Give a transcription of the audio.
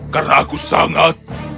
karena aku sangat